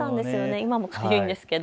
今もかゆいんですけど。